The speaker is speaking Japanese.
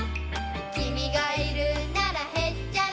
「君がいるならへっちゃらさ」